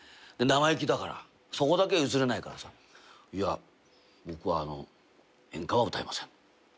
で生意気だからそこだけは譲れないからさいや僕はあの演歌は歌えません。